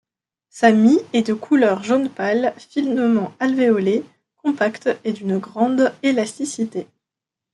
Sa mie est de couleur jaune pâle, finement alvéolée, compacte et d'une grande élasticité.